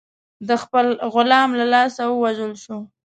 د خپل غلام له لاسه ووژل شو.